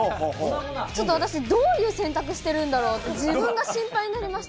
ちょっと私、どういう洗濯してるんだろうって、自分が心配になりました。